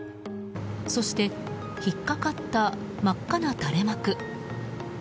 そして引っかかった真っ赤な垂れ幕。